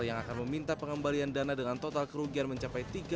yang akan meminta pengembalian dana dengan total kerugian mencapai tiga ratus juta rupiah